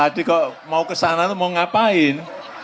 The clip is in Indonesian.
tadi kok mau kesana tuh mau ngapain